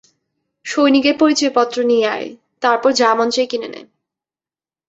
সৈনিকের পরিচয়পত্র নিয়ে আয় তারপর যা মন চায় কিনে নে।